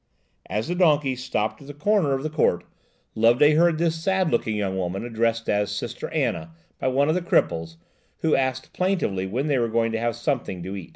As the donkey stopped at the corner of the court, Loveday heard this sad looking young woman addressed as "Sister Anna" by one of the cripples, who asked plaintively when they were going to have something to eat.